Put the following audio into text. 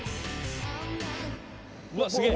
うわすげえ。